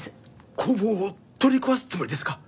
工房を取り壊すつもりですか？